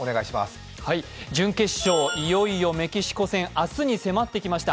準決勝、いよいよメキシコ戦明日に迫ってきました。